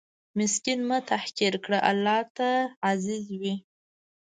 مسکین مه تحقیر کړه، الله ته عزیز وي.